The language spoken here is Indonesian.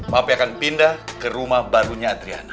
mapi akan pindah ke rumah barunya adriana